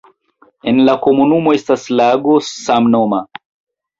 En la komunumo estas lago samnoma.